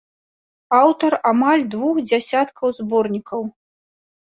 Аўтар амаль двух дзясяткаў зборнікаў.